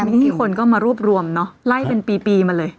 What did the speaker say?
นี่คนก็มารวบรวมเนอะไล่เป็นปีมาเลย